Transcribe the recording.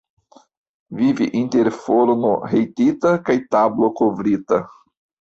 Vivi inter forno hejtita kaj tablo kovrita.